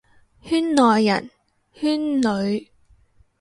圈內人，圈裏，